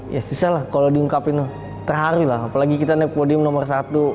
ya susah lah kalau diungkapin terhari lah apalagi kita naik podium nomor satu